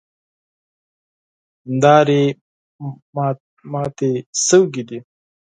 هیندارې ماتې شوې دي.